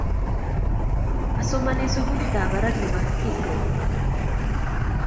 Asomane sukulit ab barak nebo Hyogo